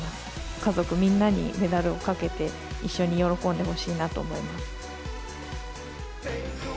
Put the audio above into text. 家族みんなにメダルをかけて、一緒に喜んでほしいなと思います。